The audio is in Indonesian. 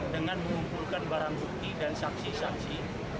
dengan mengumpulkan barang bukti dan saksi saksi